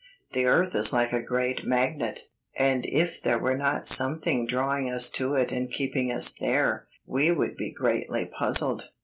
The earth is like a great magnet, and if there were not something drawing us to it and keeping us there, we would be greatly puzzled.